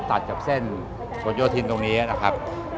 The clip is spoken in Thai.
ตัดกับเส้นผลโยธินตรงนี้นะครับ